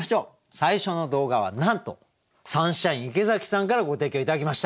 最初の動画はなんとサンシャイン池崎さんからご提供頂きました。